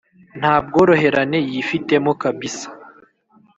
nta bworoherane yifitemo. kabisa